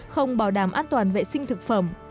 không bảo đảm an toàn vệ sinh thực phẩm